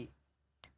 tentu saja ya